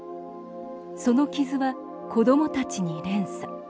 その傷は、子どもたちに連鎖。